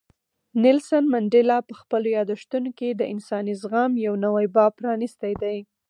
نیلسن منډېلا په خپلو یادښتونو کې د انساني زغم یو نوی باب پرانیستی دی.